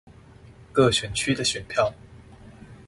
各選區的選票